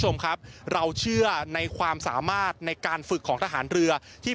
คุณผู้ชมครับเราเชื่อในความสามารถในการฝึกของทหารเรือที่